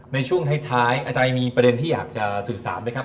ในช่วงท้ายอาจารย์มีประเด็นที่อยากจะสื่อสารไหมครับ